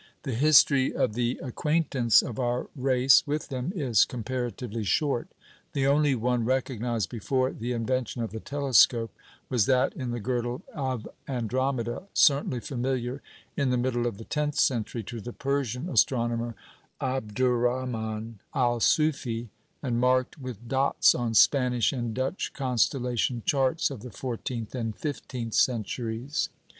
The history of the acquaintance of our race with them is comparatively short. The only one recognised before the invention of the telescope was that in the girdle of Andromeda, certainly familiar in the middle of the tenth century to the Persian astronomer Abdurrahman Al Sûfi; and marked with dots on Spanish and Dutch constellation charts of the fourteenth and fifteenth centuries.